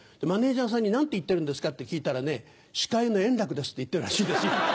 マネジャーさんに「何て言ってるんですか？」って聞いたらね「司会の円楽です」って言ってるらしいですよ。